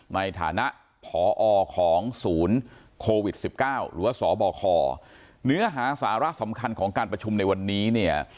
ในฐานะผอของศูนย์โควิด๑๙หรือว่าสบคเนื้อหาสาระสำคัญของการประชุมในวันนี้เนี่ย